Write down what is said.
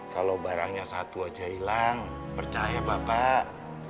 kalau barangnya satu aja hilang percaya bapak